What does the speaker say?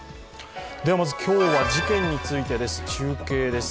まず今日は事件についてです、中継です。